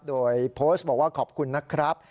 โดยโพสต์บอกว่าขอบคุณนะครับ